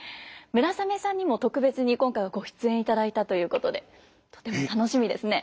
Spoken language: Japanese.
村雨さんにも特別に今回はご出演いただいたということでとても楽しみですね。